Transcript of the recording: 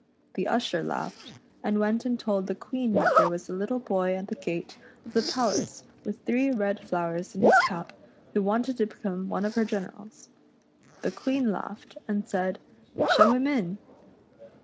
The usher laughed, and went and told the Queen that there was a little boy at the gate of the palace with three red flowers in his cap, who wanted to become one of her generals. The Queen laughed, and said, " Show him in."